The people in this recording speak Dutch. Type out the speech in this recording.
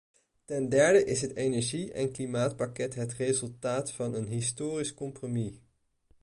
Ten derde is het energie- en klimaatpakket het resultaat van een historisch compromis.